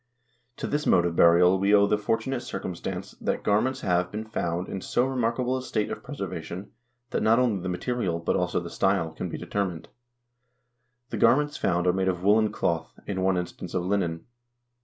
To this mode of burial we owe the fortunate circumstance that gar ments have been found in so re markable a state of preservation that not only the material, but also the style, can be determined. The garments found are made of woolen cloth ; in one instance of linen.